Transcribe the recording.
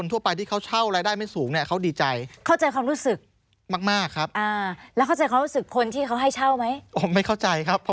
สวัสดีค่ะ